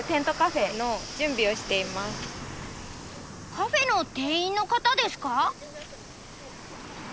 カフェの店員の方ですか？